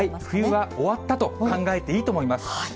冬は終わったと考えていいと思います。